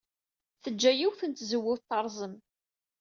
Teǧǧa yiwet n tzewwut terẓem.